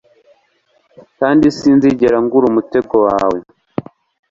kandi sinzigera ngura umutego wawe